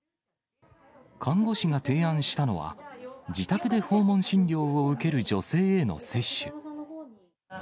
看護師が提案したのは、自宅で訪問診療を受ける女性への接種。